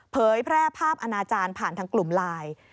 เผยแพร่ภาพอนาจารย์ผ่านทางกลุ่มไลน์